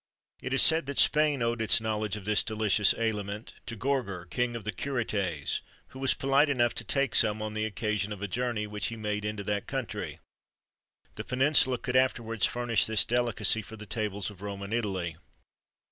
[XXIII 49] It is said that Spain owed its knowledge of this delicious aliment to Gorgor, King of the Curetes, who was polite enough to take some on the occasion of a journey which he made into that country.[XXIII 50] The Peninsula could afterwards furnish this delicacy for the tables of Rome and Italy.